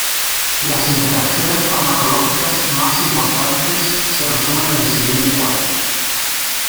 Las interacciones farmacológicas más importantes se resumen en el siguiente cuadro.